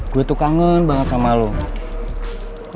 gue tuh kangen banget sama lo